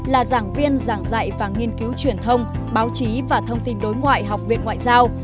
là giảng viên giảng dạy và nghiên cứu truyền thông báo chí và thông tin đối ngoại học viện ngoại giao